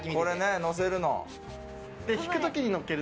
載せるの。